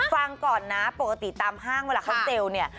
ฟังก่อนนะปกติตามห้างเวลาเขาเซลล์เนี่ย